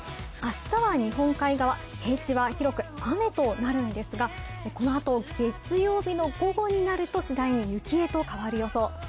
明日は日本海側、平地は広く雨となるんですが、このあと月曜日の午後になると次第に雪へと変わる予想。